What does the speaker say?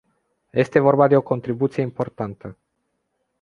Este vorba de o contribuție importantă.